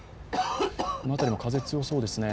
この辺りも風が強そうですね。